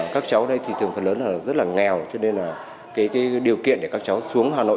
các cháu ở đây thì thường phần lớn là rất là nghèo cho nên là cái điều kiện để các cháu xuống hà nội